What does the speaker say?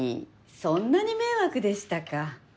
そんなに迷惑でしたか。